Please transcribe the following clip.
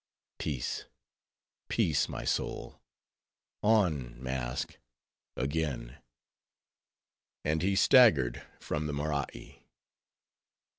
Peace, peace, my soul; on, mask, again." And he staggered from the Morai.